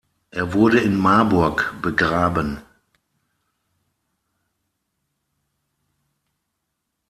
Er wurde in Marburg begraben.